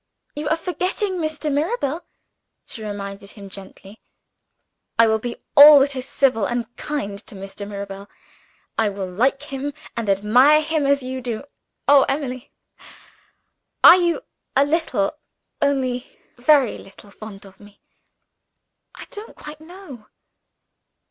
"You are forgetting Mr. Mirabel," she reminded him gently. "I will be all that is civil and kind to Mr. Mirabel; I will like him and admire him as you do. Oh, Emily, are you a little, only a very little, fond of me?" "I don't quite know."